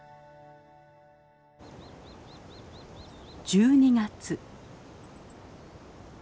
１２月。